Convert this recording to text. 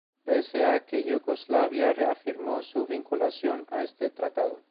Pese a que Yugoslavia reafirmó su vinculación a este tratado.